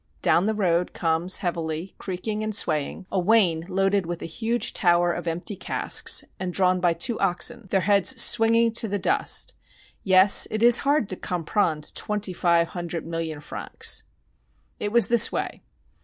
Down the road comes heavily, creaking and swaying, a wain loaded with a huge tower of empty casks and drawn by two oxen, their heads swinging to the dust. Yes, it is hard to comprendre twenty five hundred million francs. It was this way.